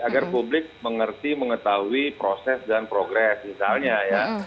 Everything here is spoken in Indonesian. agar publik mengerti mengetahui proses dan progres misalnya ya